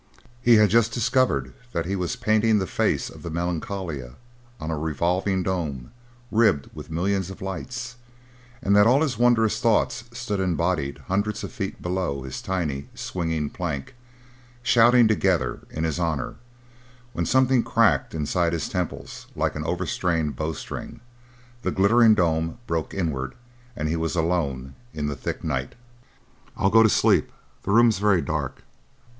He had just discovered that he was painting the face of the Melancolia on a revolving dome ribbed with millions of lights, and that all his wondrous thoughts stood embodied hundreds of feet below his tiny swinging plank, shouting together in his honour, when something cracked inside his temples like an overstrained bowstring, the glittering dome broke inward, and he was alone in the thick night. "I'll go to sleep. The room's very dark.